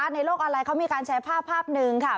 ในโลกออนไลน์เขามีการแชร์ภาพภาพหนึ่งค่ะ